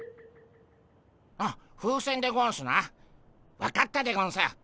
あ風船でゴンスな分かったでゴンス。